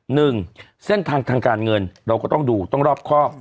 หนึ่งเส้นทางทางการเงินเราก็ต้องดูต้องรอบครอบ